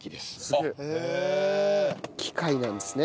機械なんですね。